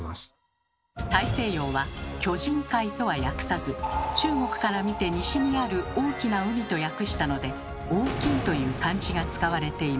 大西洋は「巨人海」とは訳さず中国から見て「西」にある「大きな海」と訳したので「大」という漢字が使われています。